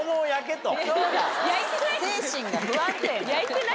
精神が不安定。